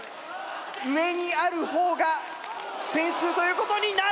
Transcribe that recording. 上にある方が点数ということになる！